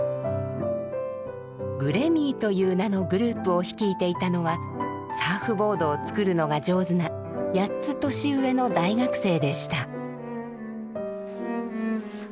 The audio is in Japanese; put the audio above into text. グレミーという名のグループを率いていたのはサーフボードを作るのが上手な８つ年上の大学生でした。